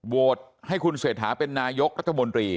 โหวตให้คุณเศรษฐาเป็นนายกรัฐมนตรี